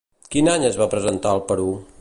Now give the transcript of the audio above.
Quin any es va presentar al Perú?